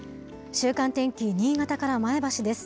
週間天気、新潟から前橋です。